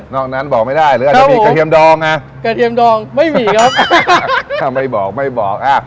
นั้นบอกไม่ได้หรืออาจจะมีกระเทียมดองอ่ะกระเทียมดองไม่มีครับถ้าไม่บอกไม่บอกอ่ะ